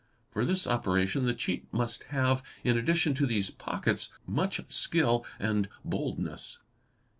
For this operation the cheat must have, in addition to these pockets, much skill and boldness.